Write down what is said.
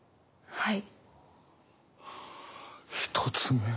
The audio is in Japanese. はい？